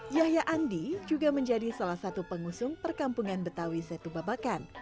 yahya andi juga menjadi salah satu pengusung perkampungan betawi setubabakan